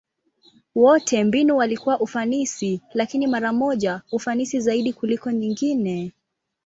Wote mbinu walikuwa ufanisi, lakini mara moja ufanisi zaidi kuliko nyingine.